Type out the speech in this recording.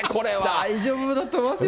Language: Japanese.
大丈夫だと思いますよ。